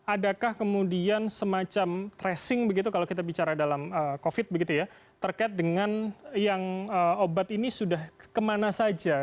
adakah kemudian semacam tracing begitu kalau kita bicara dalam covid begitu ya terkait dengan yang obat ini sudah kemana saja